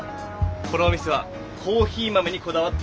このお店はコーヒー豆にこだわってるだけじゃないんです。